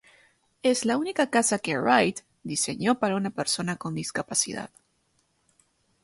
Es la única casa que Wright diseñó para una persona con discapacidad.